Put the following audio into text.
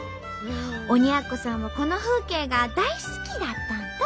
鬼奴さんはこの風景が大好きだったんと。